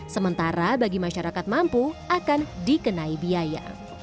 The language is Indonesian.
sementara bagi masyarakat mampu akan dikenai biaya